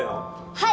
はい！